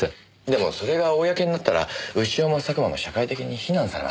でもそれが公になったら潮も佐久間も社会的に非難されます。